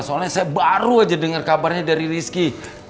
soalnya saya baru aja dengar kabarnya dari rizky